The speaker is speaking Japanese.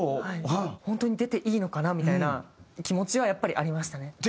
本当に出ていいのかなみたいな気持ちはやっぱりありましたね。